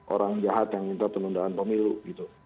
orang jahat yang minta penundaan pemilu gitu